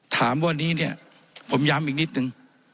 ถามว่าวันนี้เนี่ยผมย้ำอีกนิดนึง